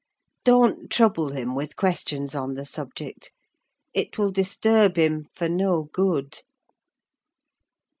Don't trouble him with questions on the subject: it will disturb him, for no good."